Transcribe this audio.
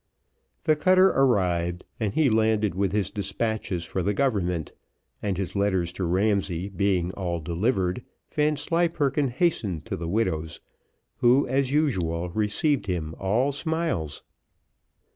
The cutter arrived, and he landed with his despatches for the government; and his letters to Ramsay being all delivered, Vanslyperken hastened to the widow's, who, as usual, received him, all smiles.